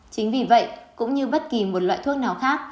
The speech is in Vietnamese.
chính vì vậy cũng như bất kỳ một loại thuốc nào khác